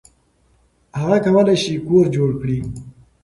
هغه کولی شي کور جوړ کړي.